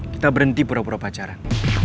kita berhenti pura pura pacaran